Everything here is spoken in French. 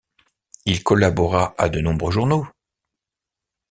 Il collabora à de nombreux journaux.